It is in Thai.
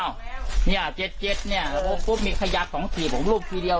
อ้าวเนี้ยเจ็ดเจ็ดเนี้ยอ๋อปุ๊บมีขยัดสองสี่ผมรูปทีเดียว